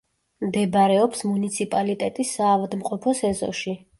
მდებარეობს მუნიციპალიტეტის საავადმყოფოს ეზოში.